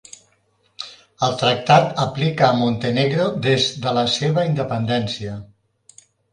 El tractat aplica a Montenegro des de la seva independència.